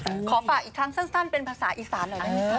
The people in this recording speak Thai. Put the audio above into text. ขอฝากอีกครั้งสั้นเป็นภาษาอีสานหน่อยได้ไหม